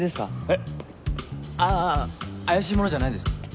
えっ？ああ怪しい者じゃないです。